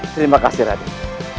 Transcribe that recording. terima kasih raden